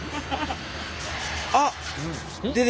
あっ！